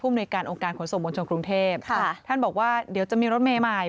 ในการองค์การขนส่งมวลชนกรุงเทพค่ะท่านบอกว่าเดี๋ยวจะมีรถเมย์ใหม่